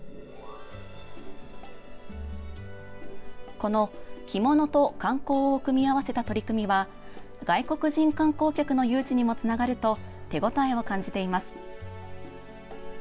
この着物と観光を組み合わせた取り組みは外国人観光客の誘致にもつながると手応えを感じています。